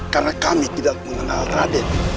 karena kami tidak mengenal raden